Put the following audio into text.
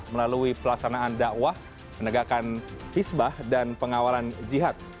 menegakkan hizbah dan pengawalan jihad